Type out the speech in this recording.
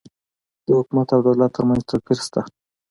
د حکومت او دولت ترمنځ توپیر سته